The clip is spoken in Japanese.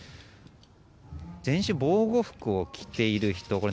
全身、防護服を着ている人。